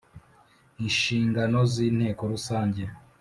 Inshingano z inteko rusange